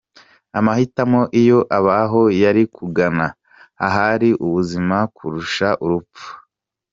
Amahitamo iyo abaho yari kugana ahari ubuzima kurusha urupfu.